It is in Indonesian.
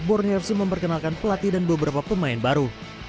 borneo fc memperkenalkan pelatih dan beberapa pemain baru